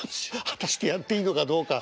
果たしてやっていいのかどうか。